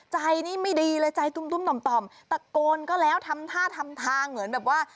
ใจนี่ไม่ดีเลยใจตุ้มต่อมต่อมตะโกนก็แล้วทำท่าทำทางเหมือนแบบว่า